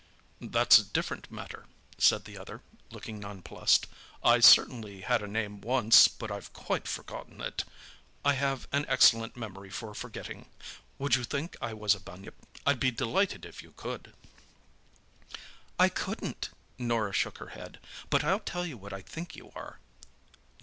"That's a different matter," said the other, looking nonplussed. "I certainly had a name once, but I've quite forgotten it. I have an excellent memory for forgetting. Would you think I was a bunyip? I'd be delighted if you could!" "I couldn't." Norah shook her head. "But I'll tell you what I think you are."